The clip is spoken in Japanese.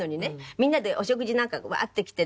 みんなでお食事なんかがワーッてきて。